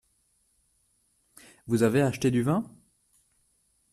Vous avez acheté du vin ?